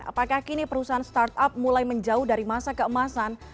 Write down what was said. apakah kini perusahaan startup mulai menjauh dari masa keemasan